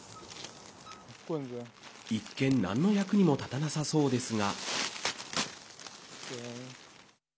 一見、なんの役にも立たなさそうですが。